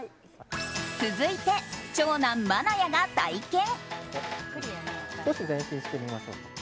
続いて、長男・愛弥が体験。